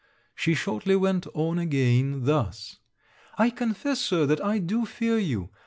She shortly went on again thus: 'I confess, Sir, that I do fear you.